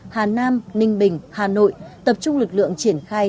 hà nam ninh bình hà nội tập trung lực lượng triển khai